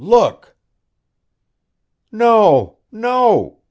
Look!" "No! No!"